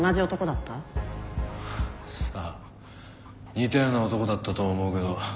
似たような男だったと思うけど。